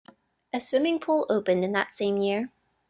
A swimming pool opened in that same year.